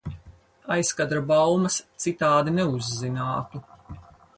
Aizkadra baumas citādi neuzzinātu.